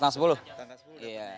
tanggal sepuluh sebelas ya